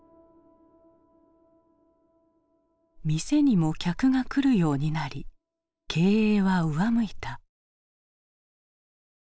店にも客が来るようになり経営は上向いた。